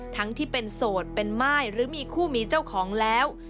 ทั้งที่เป็นโสดเป็นม่ายหรือมีคู่มีเจ้าของแล้ว